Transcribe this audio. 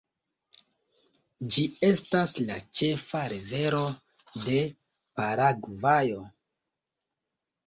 Ĝi estas la ĉefa rivero de Paragvajo.